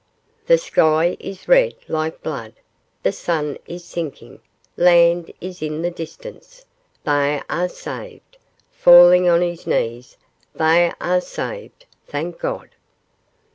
The sky is red like blood the sun is sinking; land is in the distance they are saved!' falling on his knees; 'they are saved, thank God!